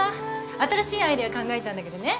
新しいアイデア考えたんだけどね。